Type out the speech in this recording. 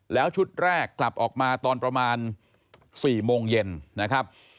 แล้วชุดแรกกลับออกมาตอนประมาณ๔โมงเย็นนะครับ